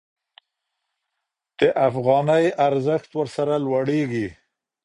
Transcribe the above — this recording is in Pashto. د افغانۍ ارزښت ورسره لوړېږي.